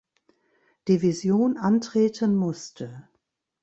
Division antreten musste.